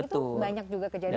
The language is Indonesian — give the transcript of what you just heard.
itu banyak juga kejadian